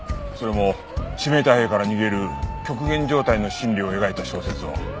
それも指名手配から逃げる極限状態の心理を描いた小説を。